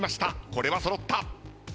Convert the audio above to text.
これは揃った。